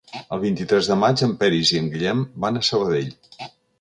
El vint-i-tres de maig en Peris i en Guillem van a Sabadell.